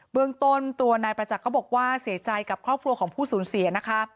เมืองต้นตัวนายประจักษ์ก็บอกว่าเสียใจกับครอบครัวของผู้สูญเสียนะคะ